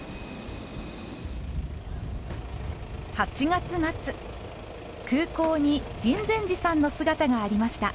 ８月末空港に秦泉寺さんの姿がありました。